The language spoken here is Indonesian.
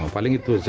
paling itu saja ya